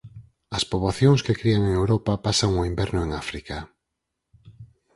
As poboacións que crían en Europa pasan o inverno en África.